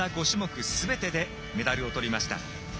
５種目すべてでメダルをとりました。